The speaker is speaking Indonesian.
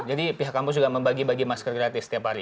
jadi pihak kampus juga membagi bagi masker gratis setiap hari